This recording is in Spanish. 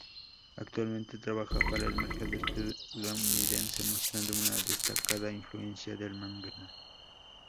Actualmente trabaja para el mercado estadounidense, mostrando una destacada influencia del manga.